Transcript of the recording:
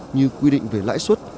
như quy định về lãi suất